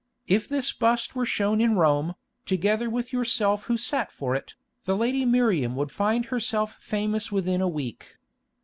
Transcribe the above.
If this bust were shown in Rome, together with yourself who sat for it, the lady Miriam would find herself famous within a week.